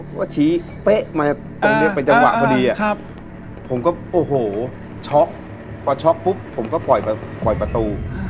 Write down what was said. ก็ชี้เป๊ะมาตรงนี้เป็นจังหวะพอดีผมก็โอ้โหช็อกพอช็อกปุ๊บผมก็ปล่อยประตู